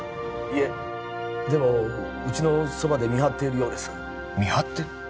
☎いえでもうちのそばで見張っているようです見張ってる！？